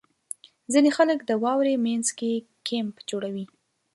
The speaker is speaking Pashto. • ځینې خلک د واورې مینځ کې کیمپ جوړوي.